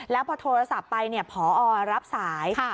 แล้วพอโทรศัพท์ไปเนี่ยผอรับสาย